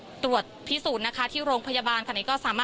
พูดสิทธิ์ข่าวธรรมดาทีวีรายงานสดจากโรงพยาบาลพระนครศรีอยุธยาครับ